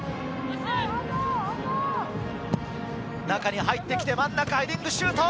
中に入ってきて真ん中、ヘディングシュート。